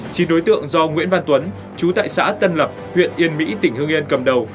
chín đối tượng do nguyễn văn tuấn chú tại xã tân lập huyện yên mỹ tỉnh hương yên cầm đầu